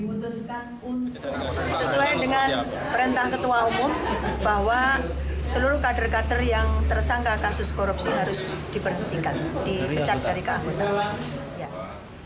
memutuskan sesuai dengan perintah ketua umum bahwa seluruh kader kader yang tersangka kasus korupsi harus diperhentikan dipecat dari keanggotaan